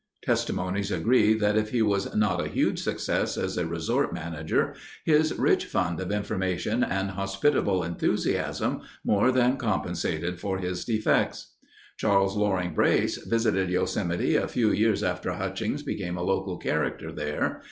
Testimonies agree that if he was not a huge success as a resort manager, his rich fund of information and hospitable enthusiasm more than compensated for his defects. Charles Loring Brace visited Yosemite a few years after Hutchings became a local character there.